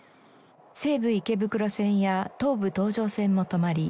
西武池袋線や東武東上線も止まり